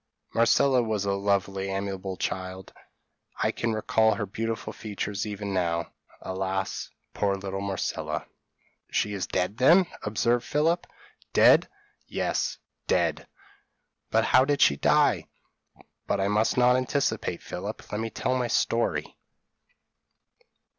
Marcella was a lovely, amiable child; I can recall her beautiful features even now Alas! poor little Marcella." "She is dead, then?" observed Philip. "Dead! yes, dead! but how did she die? But I must not anticipate, Philip; let me tell my story.